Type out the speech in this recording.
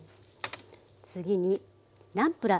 次にナムプラー。